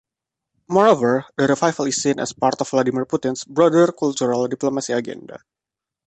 Moreover, the revival is seen as part of Vladimir Putin's "broader cultural diplomacy agenda".